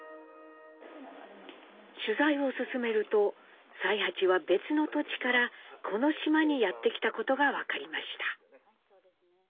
取材を進めると才八は別の土地からこの島にやって来たことが分かりました。